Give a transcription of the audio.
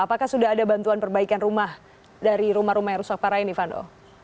apakah sudah ada bantuan perbaikan rumah dari rumah rumah yang rusak parah ini vano